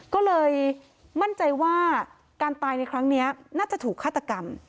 ก็เลยมั่นใจว่าการตายในครั้งนี้น่าจะถูกฆาตกรรม